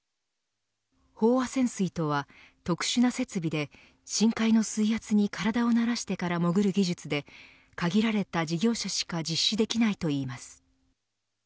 飽和潜水とは特殊な設備で深海の水圧に体を慣らしてから潜る技術で、限られた事業者しか実施できないとしています。